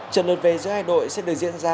trận lượt về giữa hai đội sẽ được diễn ra